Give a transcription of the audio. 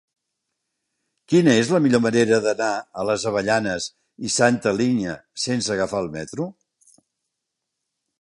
Quina és la millor manera d'anar a les Avellanes i Santa Linya sense agafar el metro?